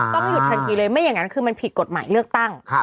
หยุดทันทีเลยไม่อย่างนั้นคือมันผิดกฎหมายเลือกตั้ง